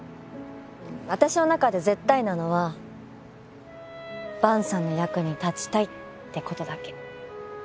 私の中で絶対なのは萬さんの役に立ちたいって事だけ。